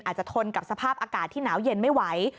ทนกับสภาพอากาศที่หนาวเย็นไม่ไหว